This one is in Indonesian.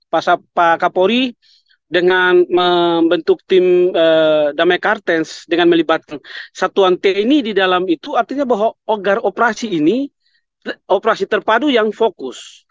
pak kapolri dengan membentuk tim damai kartens dengan melibatkan satuan tni di dalam itu artinya bahwa ogar operasi ini operasi terpadu yang fokus